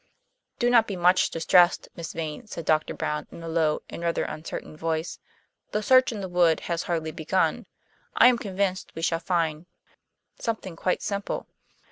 "Do not be much distressed, Miss Vane," said Doctor Brown, in a low and rather uncertain voice. "The search in the wood has hardly begun. I am convinced we shall find something quite simple."